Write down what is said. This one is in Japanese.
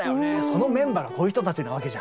そのメンバーがこういう人たちなわけじゃん。